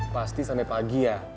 pasti sampe pagi ya